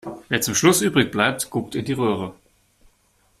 Wer zum Schluss übrig bleibt, guckt in die Röhre.